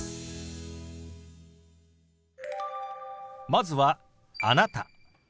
まずは「あなた」。